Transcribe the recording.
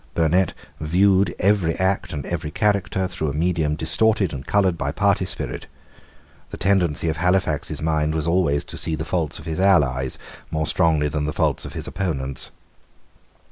Burnet viewed every act and every character through a medium distorted and coloured by party spirit. The tendency of Halifax's mind was always to see the faults of his allies more strongly than the faults of his opponents.